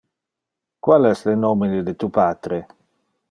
Qual es le nomine de tu patre?